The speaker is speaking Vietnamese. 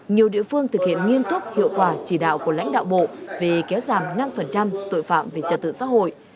nhiều địa phương thực hiện nghiêm túc hiệu quả chỉ đạo của lãnh đạo bộ về kéo giảm năm tội phạm về trật tự xã hội